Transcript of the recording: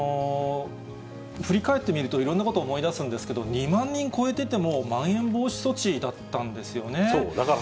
振り返ってみると、いろんなことを思い出すんですけれども、２万人超えててもまん延防止措置だったんですよね。